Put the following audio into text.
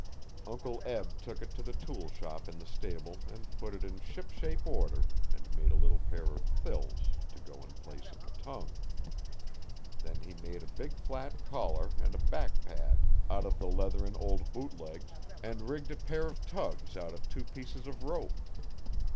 Uncle Eb took it to the tool shop in the stable and put it in shipshape order and made a little pair of thills to go in place of the tongue. Then he made a big flat collar and a back pad out of the leather in old boot legs, and rigged a pair of tugs out of two pieces of rope.